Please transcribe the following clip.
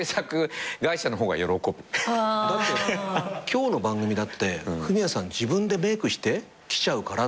今日の番組だってフミヤさん自分でメークして来ちゃうから。